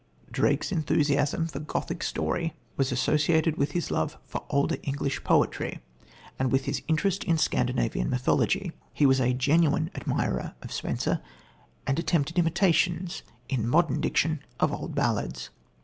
Drake's enthusiasm for Gothic story was associated with his love for older English poetry and with his interest in Scandinavian mythology. He was a genuine admirer of Spenser and attempted imitations, in modern diction, of old ballads.